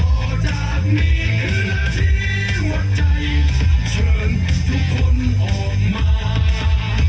จากนี้คือนาทีหัวใจเชิญทุกคนออกมา